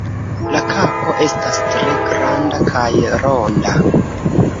La kapo estas tre granda kaj ronda.